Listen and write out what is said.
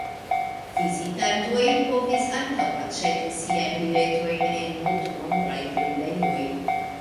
Vizitantoj povis antaŭ-aĉeti siajn biletojn en multnombraj vendejoj.